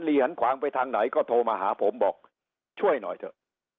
เหรียญขวางไปทางไหนก็โทรมาหาผมบอกช่วยหน่อยเถอะ